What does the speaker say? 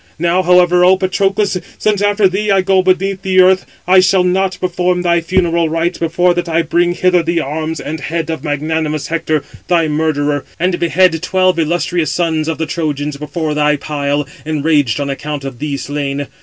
Now, however, O Patroclus! since after thee I go beneath the earth, I shall not perform thy funeral rites, before that I bring hither the arms and head of magnanimous Hector, thy murderer, and behead twelve illustrious sons of the Trojans, before thy pile, enraged on account of thee slain.